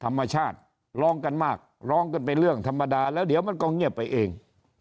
ธรรมชาติร้องกันมากร้องกันเป็นเรื่องธรรมดาแล้วเดี๋ยวมันก็เงียบไปเอง